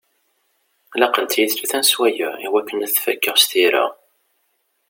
Laqent-iyi tlata n sswayeɛ i wakken ad t-fakeɣ s tira.